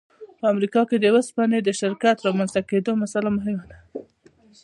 په امریکا کې د اوسپنې د شرکت د رامنځته کېدو مسأله مهمه ده